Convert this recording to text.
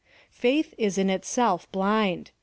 Faith is in itself blind.